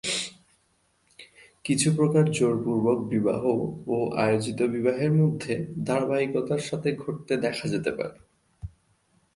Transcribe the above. কিছু প্রকার জোরপূর্বক বিবাহ ও আয়োজিত বিবাহের মধ্যে ধারাবাহিকতার সাথে ঘটতে দেখা যেতে পারে।